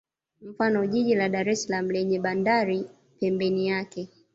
Mfano jiji la Dar es salaam lenye bandari pembeni yake